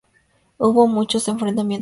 Hubo muchos enfrentamientos.